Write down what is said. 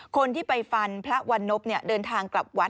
คนที่ไปฟันพระวันนพเดินทางกลับวัด